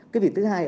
cái việc thứ hai